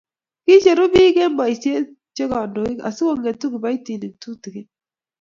kiicheru biik eng' boisie che kandoik asikong'etu kiboitinik tutegen